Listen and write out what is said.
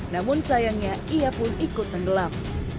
namun sayangnya ia pun ikut tenggelam